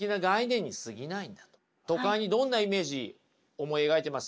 都会にどんなイメージ思い描いてます？